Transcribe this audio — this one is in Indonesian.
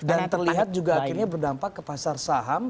dan terlihat juga akhirnya berdampak ke pasar saham